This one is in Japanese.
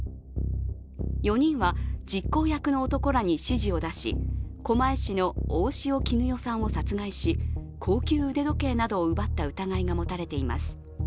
４人は実行役の男らに指示を出し狛江市の大塩衣与さんを殺害し高級腕時計などを奪った疑いが持たれています。